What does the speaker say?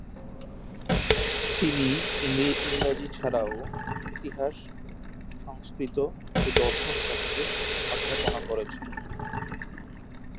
তিনি ইংরাজী ছাড়াও ইতিহাস, সংস্কৃত ও দর্শনশাস্ত্রে অধ্যাপনা করেছেন।